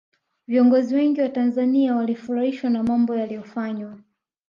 viongozi wengi wa tanzania walifurahishwa na mambo aliyoyafanya